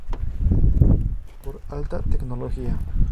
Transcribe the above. Por alta tecnología.